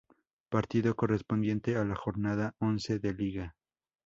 Partido correspondiente a la jornada once de liga.